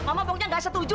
mama pokoknya nggak setuju